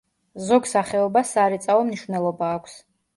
ზოგ სახეობას სარეწაო მნიშვნელობა აქვს.